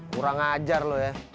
kurang ajar lo ya